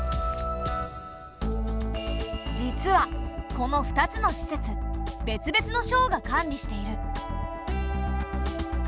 実はこの２つの施設別々の省が管理している。